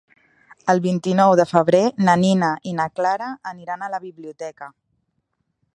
El vint-i-nou de febrer na Nina i na Clara aniran a la biblioteca.